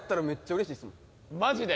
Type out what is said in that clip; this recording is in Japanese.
マジで？